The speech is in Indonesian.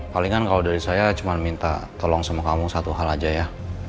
paling kan kalau dari saya cuma minta tolong sama kamu satu hal aja ya